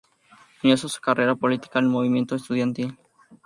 Inició su carrera política en el movimiento estudiantil.